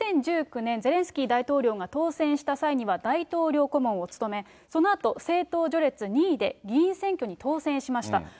２０１９年、ゼレンスキー大統領が当選した際には、大統領顧問を務め、そのあと政党序列２位で、議員選挙に当選しました。